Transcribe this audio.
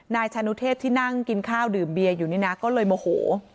นายชานุเทพที่นั่งกินข้าวดื่มเบียร์อยู่นี่นะก็เลยโมโห